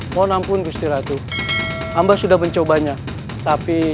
mohon ampun gusti ratu ambah sudah mencobanya tapi